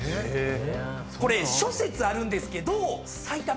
これ諸説あるんですけど。